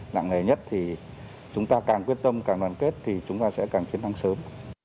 nặng nề nhất thì chúng ta càng quyết tâm càng đoàn kết thì chúng ta sẽ càng chiến thắng sớm